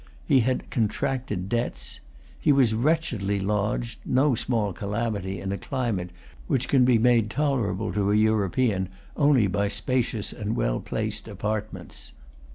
He had contracted debts. He was wretchedly lodged, no small calamity in a climate which can be made tolerable to an European only by spacious and well placed apartments.